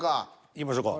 いきましょか。